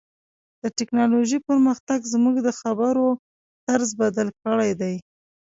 د ټکنالوژۍ پرمختګ زموږ د خبرو طرز بدل کړی دی.